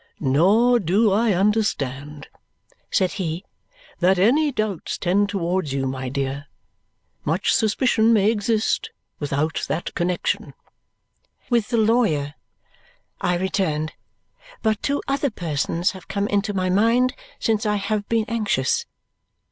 "Nor do I understand," said he, "that any doubts tend towards you, my dear. Much suspicion may exist without that connexion." "With the lawyer," I returned. "But two other persons have come into my mind since I have been anxious.